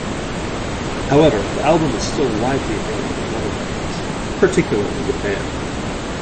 However, the album is still widely available in other markets, particularly Japan.